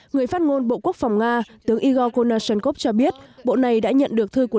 người phát ngôn bộ quốc phòng nga tướng igor konasonov cho biết bộ này đã nhận được thư của